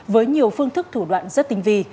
với nhiều phương thức thủ đoạn rất tinh vì